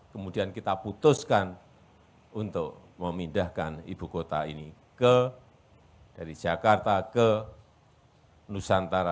kemudian kita putuskan untuk memindahkan ibu kota ini dari jakarta ke nusantara